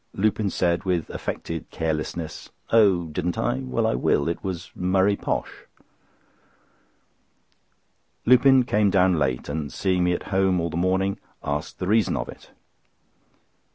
Lupin said, with affected carelessness: "Oh didn't I? Well, I will. It was Murray Posh." MAY 14.—Lupin came down late, and seeing me at home all the morning, asked the reason of it.